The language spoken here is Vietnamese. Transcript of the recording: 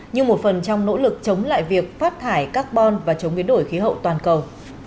như một phần trong nỗ lực chống lại việc phát thải carbon và chống biến đổi khí hậu toàn cầu